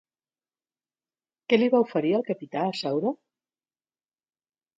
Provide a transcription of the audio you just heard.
Què li va oferir el capità a Saura?